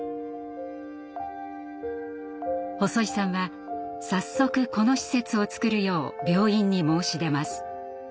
細井さんは早速この施設をつくるよう病院に申し出ます。